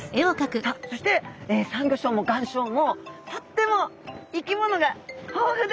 さあそしてサンギョ礁も岩礁もとっても生き物が豊富です。